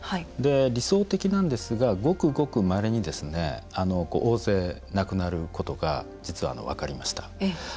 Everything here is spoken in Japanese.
理想的なんですがごくごくまれに大勢亡くなることが実は分かりました。